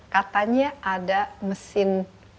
katanya ada mesin